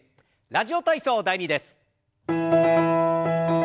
「ラジオ体操第２」です。